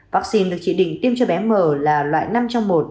vaccine được chỉ định tiêm cho bé mở là loại năm trong một